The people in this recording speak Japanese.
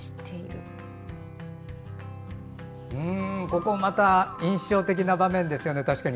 ここまた印象的な場面ですよね、確かに。